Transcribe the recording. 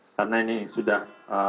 karena ini sudah